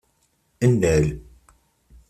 Nnal.